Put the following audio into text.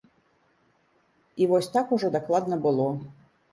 І вось так ужо дакладна было.